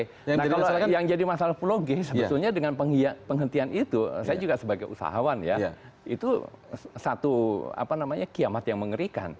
nah kalau yang jadi masalah pulau g sebetulnya dengan penghentian itu saya juga sebagai usahawan ya itu satu kiamat yang mengerikan